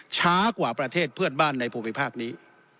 ช้ากว่าประเทศเพื่อนบ้านในภูมิภาคนี้